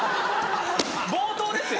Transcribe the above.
冒頭ですよ。